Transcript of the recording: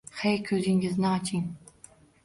Hey, koʻzingizni oching